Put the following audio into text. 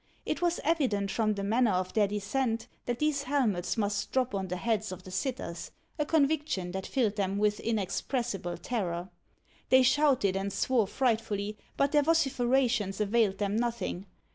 It was evident, from the manner of their descent, that these helmets must drop on the heads of the sitters a conviction that filled them with inexpressible terror. They shouted, and swore frightfully; but their vociferations availed them nothing.